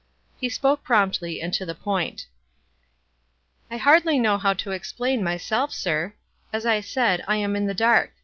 He spoke promptly and to the point. "I hardly know how to explain myself, sir. As I said, I am in the dark.